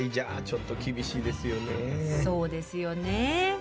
そうですよね。